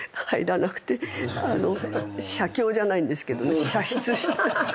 写経じゃないんですけどね写筆。